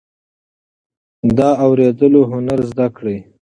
د اوریدلو هنر زده کړئ.